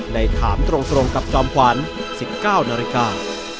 ในถามตรงกับจอมขวาน๑๙นรกา